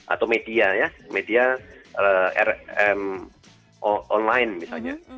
atau media ya media online misalnya